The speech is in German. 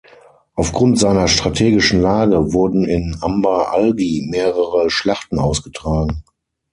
Aufgrund seiner strategischen Lage wurden in Amba Algi mehrere Schlachten ausgetragen.